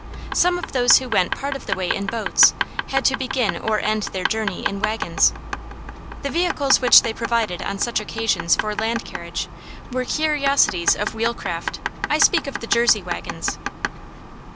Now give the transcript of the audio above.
Some of those who went part of the way in boats had to begin or end their journey in wagons. The vehicles which they provided on such occasions for land carriage were curiosities of wheel craft I speak of the Jersey wagons.